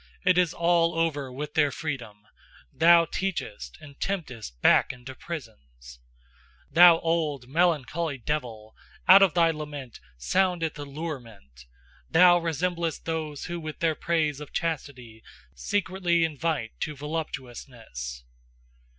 It is all over with their freedom: thou teachest and temptest back into prisons, Thou old melancholy devil, out of thy lament soundeth a lurement: thou resemblest those who with their praise of chastity secretly invite to voluptuousness!"